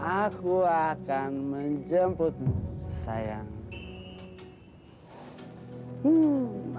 aku akan menjemputmu sayang